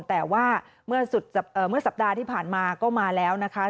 แต่ว่าเมื่อสัปดาห์ที่ผ่านมาก็มาแล้วนะคะ